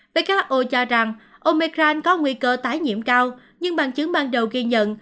who cho rằng omegram có nguy cơ tái nhiễm cao nhưng bằng chứng ban đầu ghi nhận